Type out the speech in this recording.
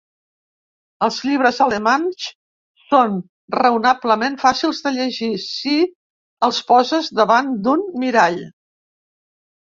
Els llibres alemanys son raonablement fàcils de llegir si els poses davant d'un mirall.